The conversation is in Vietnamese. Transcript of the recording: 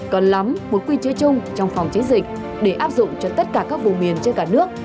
cần lắm một quy chế chung trong phòng chống dịch để áp dụng cho tất cả các vùng biển trên cả nước